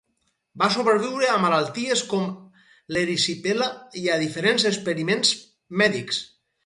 Va sobreviure a malalties com l'erisipela i a diferents experiments mèdics.